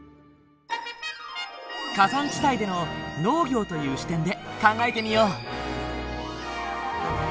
火山地帯での農業という視点で考えてみよう。